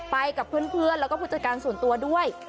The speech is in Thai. ไปกับเพื่อนแล้วก็ผู้จัดการส่วนตัวด้วย